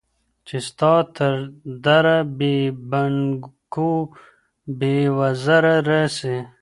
چي ستا تر دره بې بڼکو ، بې وزره راسي